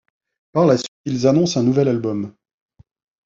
Par la suite, ils annoncent un nouvel album.